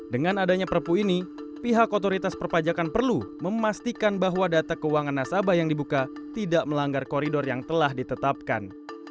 dengan adanya perpu ini pihak otoritas perpajakan perlu memastikan bahwa data keuangan nasabah yang dibuka tidak melanggar koridor yang telah ditetapkan